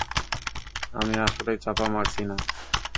আমি আসলেই চাপা মারছি না!